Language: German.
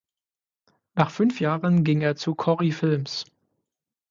Nach fünf Jahren ging er zu "Cori Films".